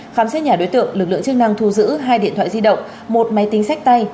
khám xét nhà đối tượng lực lượng chức năng thu giữ hai điện thoại di động một máy tính sách tay